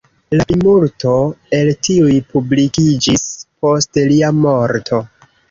La plimulto el tiuj publikiĝis post lia morto.